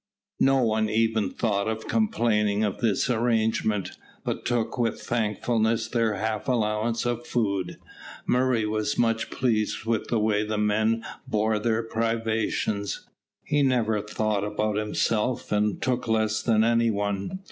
No one even thought of complaining of this arrangement, but took with thankfulness their half allowance of food. Murray was much pleased with the way the men bore their privations. He never thought about himself, and took less than any one.